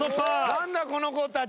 何だこの子たち。